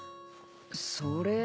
それ。